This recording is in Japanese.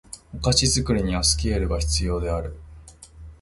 お菓子作りにはスケールが必要である